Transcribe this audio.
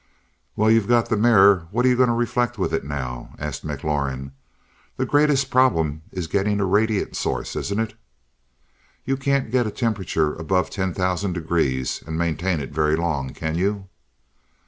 "Well, you've got the mirror, what are you going to reflect with it now?" asked McLaurin. "The greatest problem is getting a radiant source, isn't it? You can't get a temperature above about ten thousand degrees, and maintain it very long, can you?"